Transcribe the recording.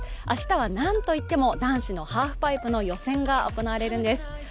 明日はなんといっても男子のハーフパイプの予選が行われるんです。